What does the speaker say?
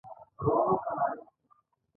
ژوندی دې وي افغان ملت؟